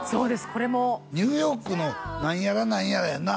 これもニューヨークの何やら何やらやんな？